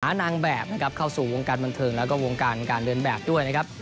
นางแบบนะครับเข้าสู่วงการบันเทิงแล้วก็วงการการเดินแบบด้วยนะครับ